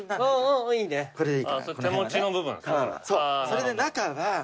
それで中は。